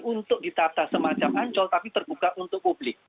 untuk ditata semacam ancol tapi terbuka untuk publik